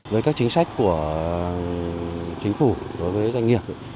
với các chính sách của chính phủ đối với doanh nghiệp